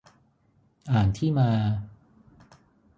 อ่านที่มา